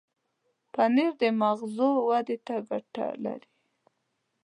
پنېر د مغزو ودې ته ګټه لري.